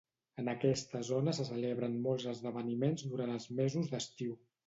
En aquesta zona se celebren molts esdeveniments durant els mesos d'estiu.